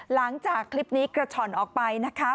หลังจากคลิปนี้กระฉ่อนออกไปนะคะ